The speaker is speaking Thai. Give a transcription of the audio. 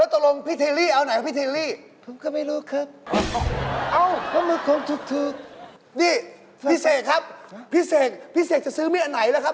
แล้วถ้าร้านผมไม่มีพี่ไปซื้อที่ไหนครับ